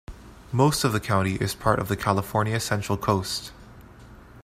Most of the county is part of the California Central Coast.